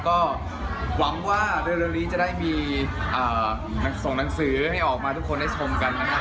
ก็หวังว่าเร็วนี้จะได้มีส่งหนังสือให้ออกมาทุกคนได้ชมกันนะครับ